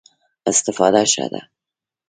استفاده ښه ده.